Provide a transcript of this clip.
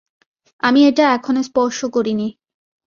আমি এটা এখনও স্পর্শ করিনি।